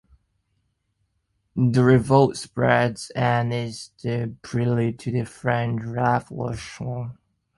The revolt spreads and is the prelude to the French Revolution.